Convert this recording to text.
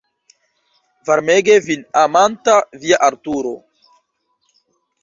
Varmege vin amanta via Arturo.